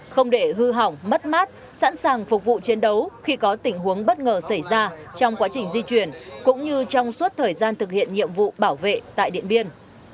không để hư hỏng mất mát sẵn sàng phục vụ chiến đấu khi có tình huống bất ngờ xảy ra trong quá trình di chuyển cũng như trong suốt thời gian thực hiện nhiệm vụ bảo vệ tại điện biên